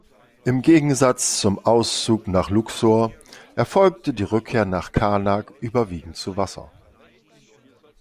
Im Gegensatz zum Auszug nach Luxor erfolgte die Rückkehr nach Karnak überwiegend zu Wasser.